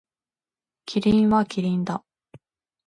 キリンはキリンだ。